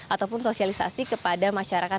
ataupun sosialisasi kepada masyarakat